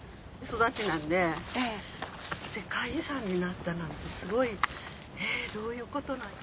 世界遺産になったなんてすごいえどういうこと。